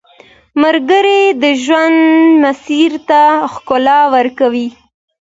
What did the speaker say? ملګری د ژوند مسیر ته ښکلا ورکوي